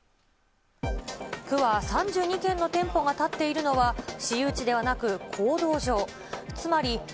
区は３２軒の店舗が建っているのは、私有地ではなく、公道上。